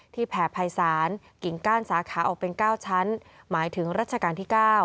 แผ่ภัยศาลกิ่งก้านสาขาออกเป็น๙ชั้นหมายถึงรัชกาลที่๙